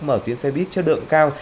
mở tuyến xe buýt chất lượng cao